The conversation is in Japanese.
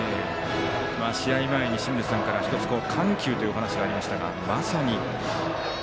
試合前に清水さんから１つ緩急というお話がありましたがまさに。